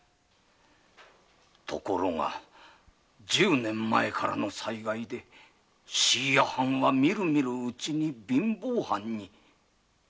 ところが十年前からの災害で藩はみるみるうちに貧乏藩に。